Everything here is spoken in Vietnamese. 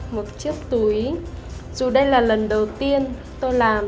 một chiếc túi dù đây là lần đầu tiên tôi làm